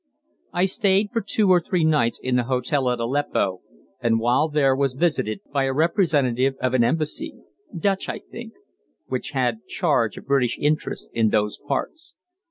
I stayed for two or three nights in the hotel at Aleppo, and while there was visited by a representative of an embassy Dutch, I think which had charge of British interests in those parts.